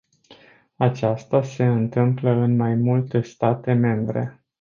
Aceasta se întâmplă în mai multe state membre.